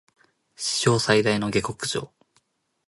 史上最大の下剋上